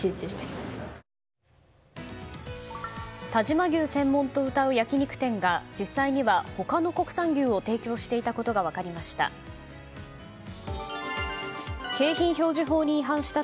但馬牛専門とうたう焼き肉店が実際には、他の国産牛を提供していたことが分かりました。